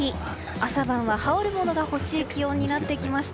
朝晩は羽織るものが欲しい気温になってきました。